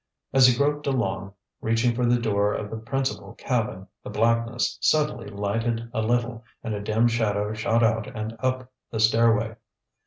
As he groped along, reaching for the door of the principal cabin, the blackness suddenly lighted a little, and a dim shadow shot out and up the stairway.